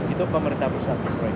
itu pemerintah perusahaan